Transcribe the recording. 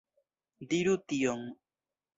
Diru tion.